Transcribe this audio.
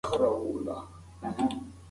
هغه پوسټ چې ډېر کمنټونه لري ګټور دی.